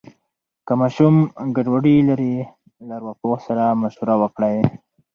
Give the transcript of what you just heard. که ماشوم ګډوډي لري، له ارواپوه سره مشوره وکړئ.